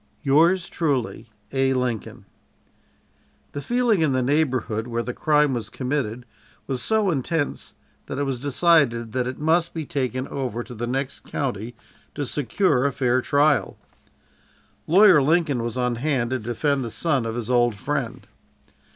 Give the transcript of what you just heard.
"Yours truly, "A. LINCOLN." The feeling in the neighborhood where the crime was committed was so intense that it was decided that it must be taken over to the next county to secure a fair trial. Lawyer Lincoln was on hand to defend the son of his old friend.